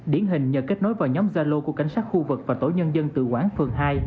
điển hình nhờ kết nối vào nhóm gia lô của cảnh sát khu vực và tổ nhân dân tự quản phường hai